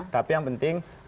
tapi yang penting